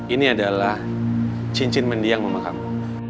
ini adalah cincin mendiang mama kamu